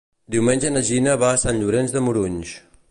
Diumenge na Gina va a Sant Llorenç de Morunys.